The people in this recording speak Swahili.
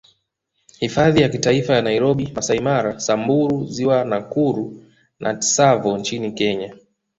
Hifadhi ya Kitaifa ya Nairobi Masai Mara Samburu Ziwa Nakuru na Tsavo nchini Kenya